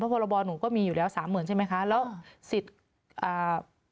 พรบหนูก็มีอยู่แล้วสามหมื่นใช่ไหมคะแล้วสิทธิ์อ่า